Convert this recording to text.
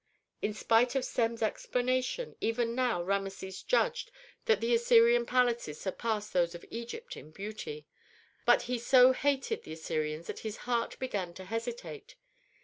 In spite of Sem's explanation, even now Rameses judged that the Assyrian palaces surpassed those of Egypt in beauty. But he so hated the Assyrians that his heart began to hesitate.